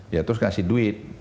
ya terus ngasih duit